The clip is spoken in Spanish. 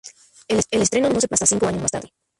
El estreno no se produjo hasta cinco años más tarde.